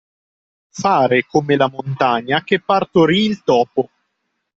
Fare come la montagna che partorì il topo.